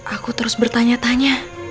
aku terus bertanya tanya